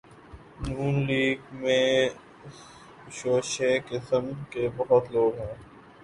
ن لیگ میں شوشے قسم کے بہت لوگ ہیں۔